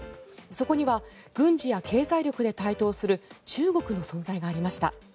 そこには軍事や経済力で台頭する中国の存在がありました。